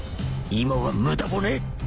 今は無駄骨